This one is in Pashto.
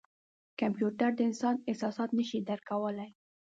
کمپیوټر د انسان احساسات نه شي درک کولای.